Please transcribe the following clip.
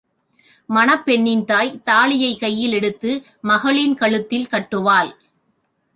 மணப் பெண்ணின் தாய் தாலியைக் கையிலெடுத்து மகளின் கழுத்தில் கட்டுவாள்.